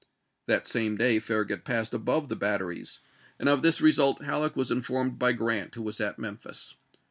^p!*J.^"' That same day Farragut passed above the batter ies, and of this result Halleck was informed by Grrant, who was at Memphis.